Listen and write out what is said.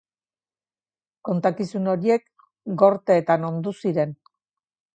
Kontakizun horiek gorteetan ondu ziren.